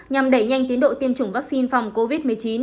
nhằm đẩy nhanh tiến độ tiêm chủng vaccine phòng covid một mươi chín